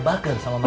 bagger sama masalah